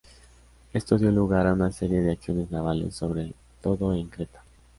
Esto dio lugar a una serie de acciones navales, sobre todo en Creta.